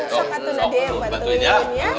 sok katanya deh bantuin ya